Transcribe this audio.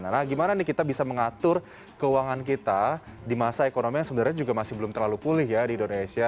nah gimana nih kita bisa mengatur keuangan kita di masa ekonomi yang sebenarnya juga masih belum terlalu pulih ya di indonesia